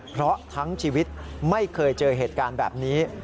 เพราะทั้งชีวิตไม่เคยเจอเหตุการณ์แบบนี้